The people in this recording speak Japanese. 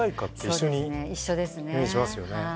一緒ですね。